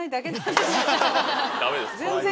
ダメです。